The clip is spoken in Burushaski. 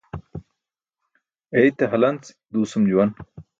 Eite halance duusum juwan.